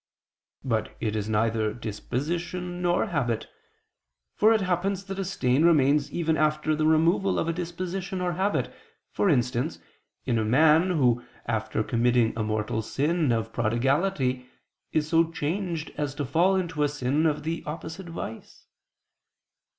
But it is neither disposition nor habit: for it happens that a stain remains even after the removal of a disposition or habit; for instance, in a man who after committing a mortal sin of prodigality, is so changed as to fall into a sin of the opposite vice.